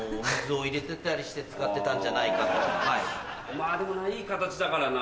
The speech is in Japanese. まぁでもないい形だからな。